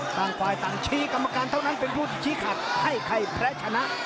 ต่างฝ่ายต่างชี้กรรมการเท่านั้นเป็นผู้ชี้ขัดให้ใครแพ้ชนะ